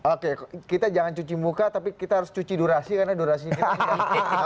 oke kita jangan cuci muka tapi kita harus cuci durasi karena durasi kita ini